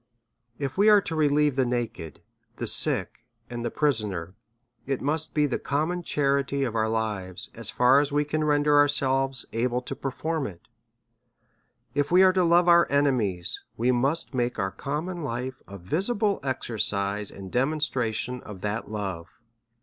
If we are to relieve the naked^ the sick^ and the prisoner, it must be the common charity of our lives, as far as we can render ourselves able to per form it. If we are to love our enemies, we must make our common life a visible exercise and demonstration of that love.